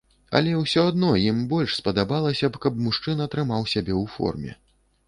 Але ўсё адно ім больш спадабалася б, каб мужчына трымаў сябе ў форме.